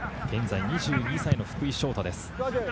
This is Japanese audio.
現在２２歳の福井翔大です。